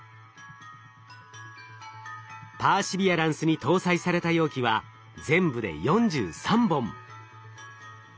パーシビアランスに搭載された容器は全部で４３本。